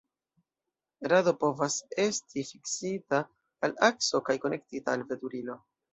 Rado povas esti fiksita al akso kaj konektita al veturilo.